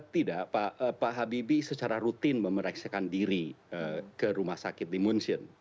tidak pak habibie secara rutin memeriksakan diri ke rumah sakit di munsion